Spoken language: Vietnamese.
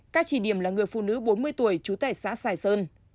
các chỉ điểm là người phụ nữ bốn mươi tuổi trú tại xã sài sơn